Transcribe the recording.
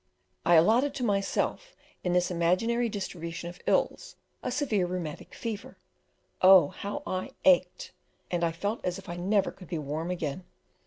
I allotted to myself in this imaginary distribution of ills a severe rheumatic fever; oh! how I ached, and I felt as if I never could be warm again.